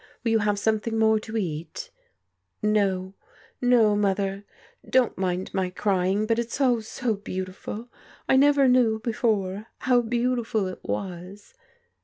Will you have something more to eat ?"" No, no, Mother. Don't mind my crying, but it's all so beautiful — I never knew before how beautiful it was.